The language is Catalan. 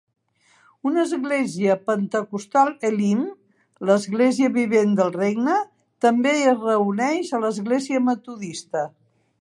Una Església Pentecostal Elim, l'Església Vivent del Regne, també es reuneix a l'església metodista.